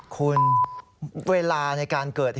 คุณเวลาในการเกิดเหตุ